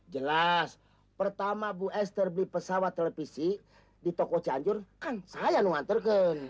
jelas pertama bu ester beli pesawat televisi di toko cianjur saya yang mengantarkan